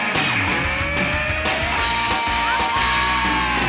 มาเลย